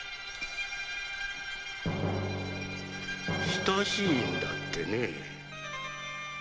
親しいんだってね。